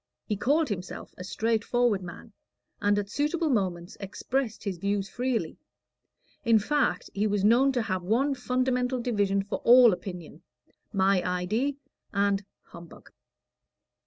He called himself a straight forward man, and at suitable moments expressed his views freely; in fact, he was known to have one fundamental division for all opinion "my idee" and "humbug."